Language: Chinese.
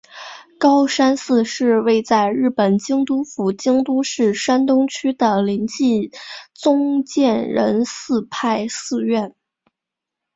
高台寺是位在日本京都府京都市东山区的临济宗建仁寺派寺院。